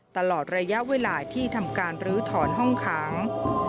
ตลอดระยะเวลาที่ทำการรื้อถอนห้องขัง